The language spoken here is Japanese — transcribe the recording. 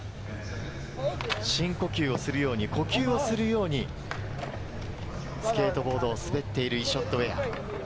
深呼吸をするように、呼吸をするように、スケートボードを滑っているイショッド・ウェア。